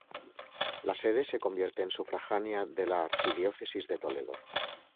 La sede se convierte en sufragánea de la archidiócesis de Toledo.